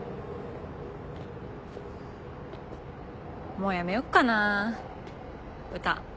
もうやめよっかな歌。